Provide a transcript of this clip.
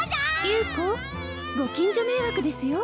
優子ご近所迷惑ですよ